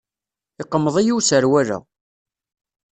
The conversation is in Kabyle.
Yeqmeḍ-iyi userwal-a.